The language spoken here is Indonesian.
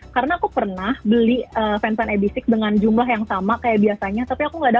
karena aku pernah beli fansign ab enam ix dengan alamat yang jelas gitu